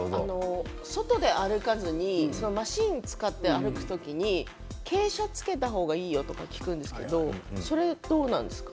外で歩かずにマシンを使って歩く時に傾斜をつけた方がいいよと言われるんですけどそれはどうですか？